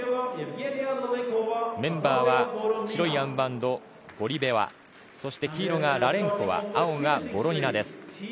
メンバーは白いアームバンド、ゴルベワ黄色がラレンコワ青がボロニナです。